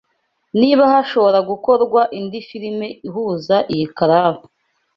niba hashobora gukorwa indi filime ihuza iyi karabu